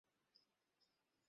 ঠিক আছে, উঠছি।